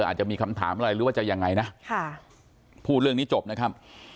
อาจจะมีคำถามอะไรหรือว่าจะยังไงนะพูดเรื่องนี้จบนะครับ